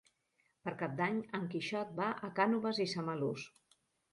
Per Cap d'Any en Quixot va a Cànoves i Samalús.